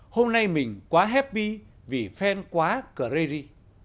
hôm nay mình quá happy vì fan quá crazy